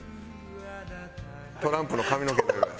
トランプの髪の毛の色や。